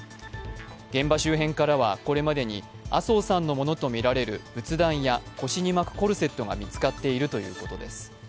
現場周辺からはこれまでに麻生さんのものとみられる仏壇や腰に巻くコルセットが見つかっているということです。